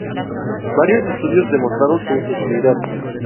Varios estudios" demostraron su utilidad.